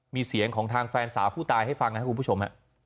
มีเสียงของทางแฟนสาวผู้ตายให้ฟังนะครับคุณผู้ชม